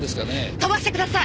飛ばしてください！